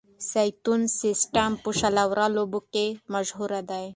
ستيون سميټ په شل اورو لوبو کښي مشهوره ده.